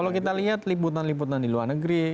kalau kita lihat liputan liputan di luar negeri